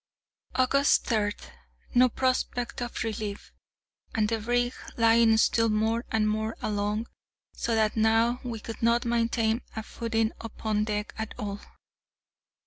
August 3. No prospect of relief, and the brig lying still more and more along, so that now we could not maintain a footing upon deck at all.